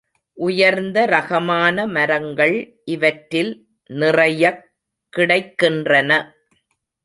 உயர்ந்த ரகமான மரங்கள், இவற்றில் நிறையக் கிடைக்கின்றன.